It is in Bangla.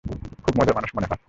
খুব মজার মানুষ মনে হয়।